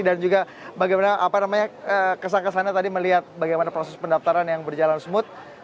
dan juga kesan kesannya tadi melihat bagaimana proses pendaftaran yang berjalan smooth